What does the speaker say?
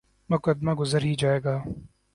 مقدمہ گزر ہی جائے گا۔